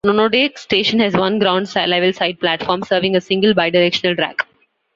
Nonodake Station has one ground-level side platform serving a single bi-directional track.